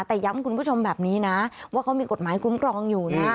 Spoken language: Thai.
แต่ย้ำคุณผู้ชมแบบนี้นะว่าเขามีกฎหมายคุ้มครองอยู่นะ